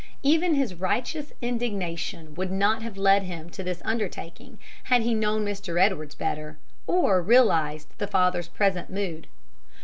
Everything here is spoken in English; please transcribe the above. Even his righteous indignation would not have led him to this undertaking had he known Mr. Edwards better, or realized the father's present mood.